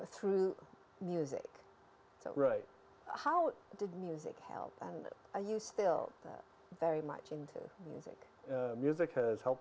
ketika saya masih kecil